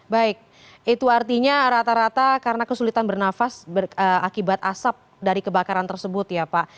baik itu artinya rata rata karena kesulitan bernafas akibat asap dari kebakaran tersebut ya pak